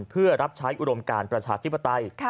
เพื่อรับใช้อุดมการประชาธิปไตย